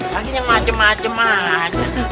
lagi yang macem macem aja